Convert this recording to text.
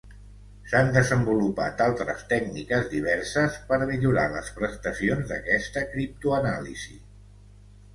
S'han desenvolupat altres tècniques diverses per millorar les prestacions d'aquesta criptoanàlisi.